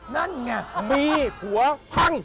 นั่นไงมีผัวฟัง